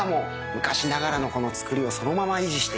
昔ながらの造りをそのまま維持して。